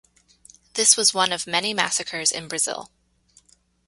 This was one of many massacres in Brazil.